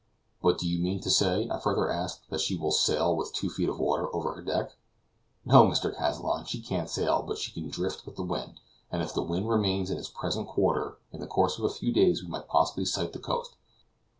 "But do you mean to say," I further asked, "that she can sail with two feet of water over her deck?" "No, Mr. Kazallon, she can't sail, but she can drift with the wind; and if the wind remains in its present quarter, in the course of a few days we might possibly sight the coast.